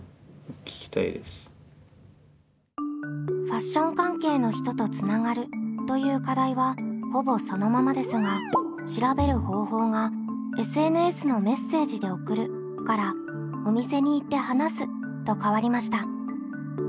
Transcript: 「ファッション関係の人とつながる」という課題はほぼそのままですが調べる方法が「ＳＮＳのメッセージで送る」から「お店に行って話す」と変わりました。